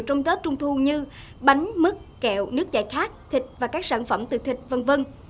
trong tết trung thu như bánh mứt kẹo nước giải khát thịt và các sản phẩm từ thịt v v